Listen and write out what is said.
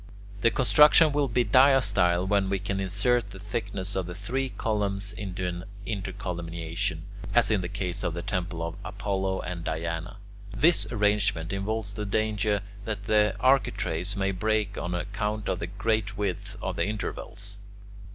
The construction will be diastyle when we can insert the thickness of three columns in an intercolumniation, as in the case of the temple of Apollo and Diana. This arrangement involves the danger that the architraves may break on account of the great width of the intervals.